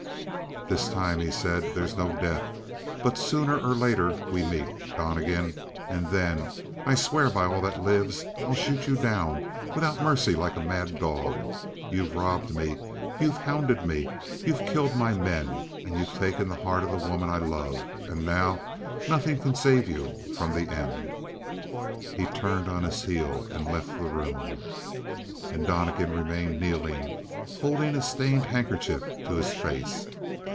"This time," he said, "there's no death. But sooner or later we meet, Donnegan, and then, I swear by all that lives, I'll shoot you down without mercy like a mad dog. You've robbed me; you've hounded me: you've killed my men: you've taken the heart of the woman I love. And now nothing can save you from the end." He turned on his heel and left the room. And Donnegan remained kneeling, holding a stained handkerchief to his face.